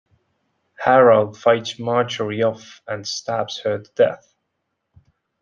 Harold fights Marjorie off and stabs her to death.